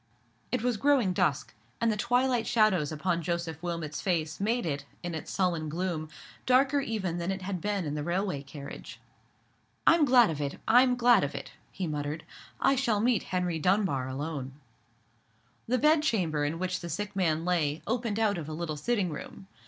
It was growing dusk, and the twilight shadows upon Joseph Wilmot's face made it, in its sullen gloom, darker even than it had been in the railway carriage. "I'm glad of it, I'm glad of it," he muttered; "I shall meet Harry Dunbar alone." The bed chamber in which the sick man lay opened out of a little sitting room.